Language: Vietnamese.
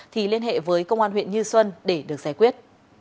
thì liên hệ với công an huyện như xuân để được giải quyết